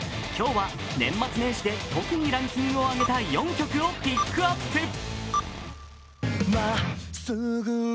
今日は年末年始で特にランキングを上げた４曲をピックアップ。